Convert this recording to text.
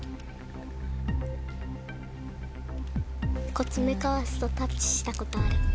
コツメカワウソタッチしたことある。